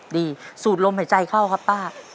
สูดลมหายใจเข้าครับป้า